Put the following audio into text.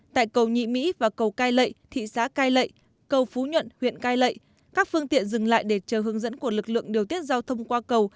tại cầu nhị mỹ và cầu cai lệ thị xã cai lệ cầu phú nhuận huyện cai lệ các phương tiện dừng lại để chờ hướng dẫn của lực lượng điều tiết giao thông qua cầu